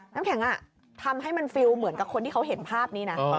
น้ำแข็งทำให้มันฟิลเหมือนกับคนที่เขาเห็นภาพนี้นะ